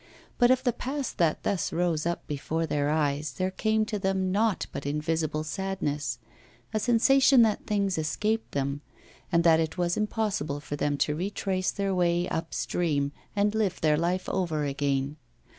But of the past that thus rose up before their eyes there came to them nought but invincible sadness a sensation that things escaped them, and that it was impossible for them to retrace their way up stream and live their life over again.